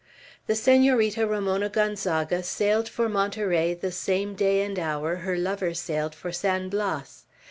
The Senorita Ramona Gonzaga sailed for Monterey the same day and hour her lover sailed for San Blas.